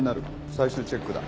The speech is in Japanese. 最終チェックだ。